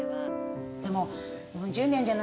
でも４０年じゃないですか。